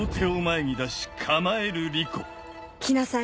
来なさい！